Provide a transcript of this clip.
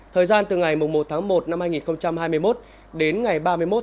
thời gian từ ngày một một một hai nghìn hai mươi một đến ngày ba mươi một một mươi hai hai nghìn hai mươi một